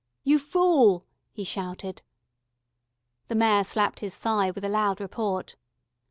"You fool," he shouted. The Mayor slapped his thigh with a loud report.